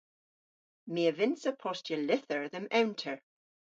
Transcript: My a vynnsa postya lyther dhe'm ewnter.